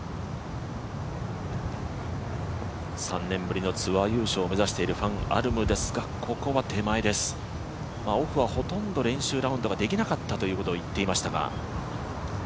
３年ぶりのツアー優勝を目指しているファン・アルムですが、ここは手前です、オフはほとんど練習ラウンドできなかったと言っていましたが。